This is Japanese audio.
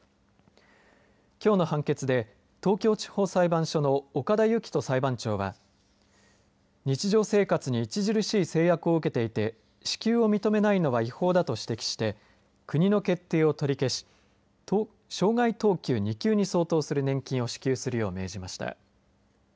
きょうの判決で東京地方裁判所の岡田幸人裁判長は日常生活に著しい制約を受けていて、支給を認めないのは違法だと指摘して国の決定を取り消し障害等級２級に相当する年金を支給するよう命じました。